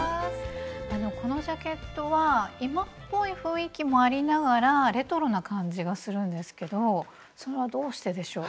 このジャケットは今っぽい雰囲気もありながらレトロな感じがするんですけどそれはどうしてでしょう？